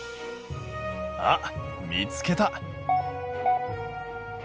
あっ見つけた！